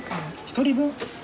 １人分？